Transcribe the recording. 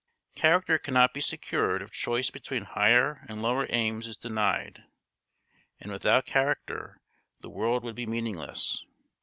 Character cannot be secured if choice between higher and lower aims is denied; and without character the world would be meaningless.